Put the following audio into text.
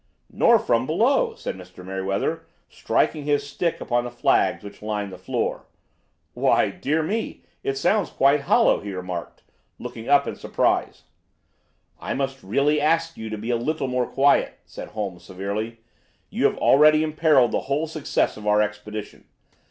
"Nor from below," said Mr. Merryweather, striking his stick upon the flags which lined the floor. "Why, dear me, it sounds quite hollow!" he remarked, looking up in surprise. "I must really ask you to be a little more quiet!" said Holmes severely. "You have already imperilled the whole success of our expedition.